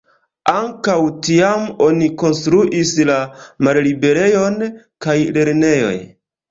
Ankaŭ tiam oni konstruis la Malliberejon kaj Lernejoj.